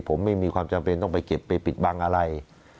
ผมไม่มีความจำเป็นต้องไปเก็บไปปิดบังอะไร